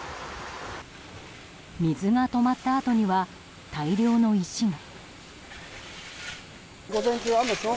水が止まったあとには大量の石が。